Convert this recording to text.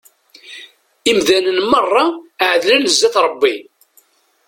Imdanen merra εedlen zzat Rebbi.